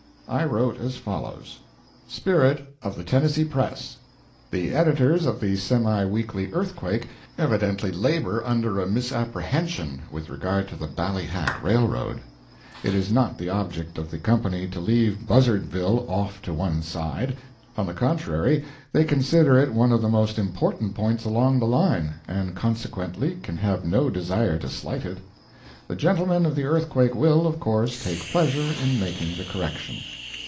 I wrote as follows: SPIRIT OF THE TENNESSEE PRESS The editors of the Semi Weekly Earthquake evidently labor under a misapprehension with regard to the Ballyhack railroad. It is not the object of the company to leave Buzzardville off to one side. On the contrary, they consider it one of the most important points along the line, and consequently can have no desire to slight it. The gentlemen of the Earthquake will, of course, take pleasure in making the correction.